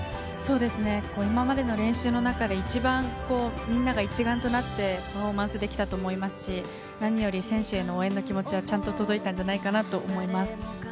今までの練習の中で一番みんなが一丸となってパフォーマンスできたと思いますし、何より選手への応援の気持ちがちゃんと届いたんじゃないかと思います。